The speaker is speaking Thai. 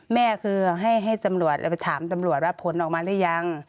แม่คือให้ตำรวจไปถามตำรวจว่าผลออกมาหรือยัง